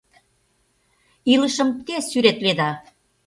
Илышым те сӱретледа...